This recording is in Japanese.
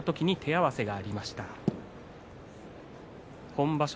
今場所